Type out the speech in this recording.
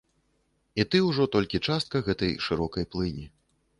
І ты ўжо толькі частка гэтай шырокай плыні.